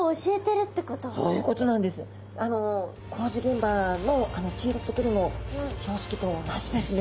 工事現場のあの黄色と黒の標識と同じですね。